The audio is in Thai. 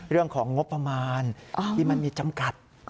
เรื่องของงบประมาณที่มันมีจำกัด